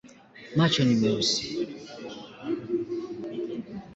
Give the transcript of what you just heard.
Macho ni meusi.